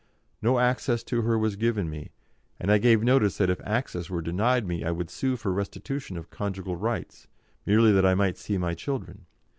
No access to her was given me, and I gave notice that if access were denied me, I would sue for a restitution of conjugal rights, merely that I might see my children.